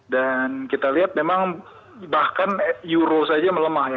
dan kita lihat memang bahkan euro saja melemah ya